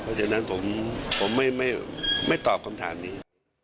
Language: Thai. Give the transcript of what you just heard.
เพราะฉะนั้นผมไม่ตอบคำถามนี้